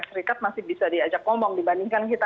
serikat masih bisa diajak ngomong dibandingkan kita